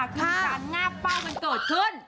คือมีการงาบเป้ามันเกิดขึ้น